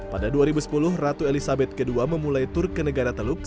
pada dua ribu sepuluh ratu elizabeth ii memulai tur ke negara teluk